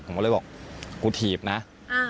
ผมก็เลยบอกกูถีบนะ